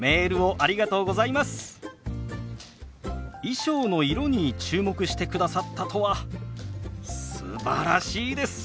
衣装の色に注目してくださったとはすばらしいです！